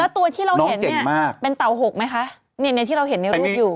ตัวที่เราเห็นเป็นเต่า๖ไหมคะที่เราเห็นในรูปอยู่